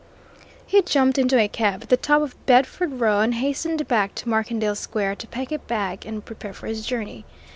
He jumped into a cab at the top of Bedford Row and hastened back to Markendale Square to pack a bag and prepare for his journey.